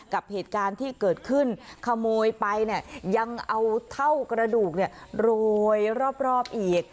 กับเหตุการณ์ที่เกิดขึ้นขโมยไปเนี่ยยังเอาเท่ากระดูกโรยรอบอีก